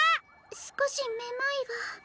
すこしめまいが。